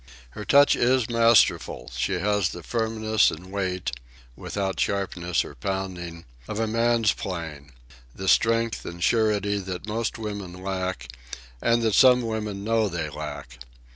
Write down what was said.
Her touch is masterful. She has the firmness and weight (without sharpness or pounding) of a man's playing—the strength and surety that most women lack and that some women know they lack.